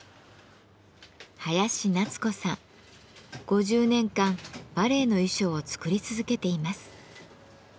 ５０年間バレエの衣装を作り続けています。